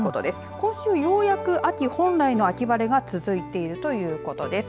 今週、ようやく秋晴れが続いているということです。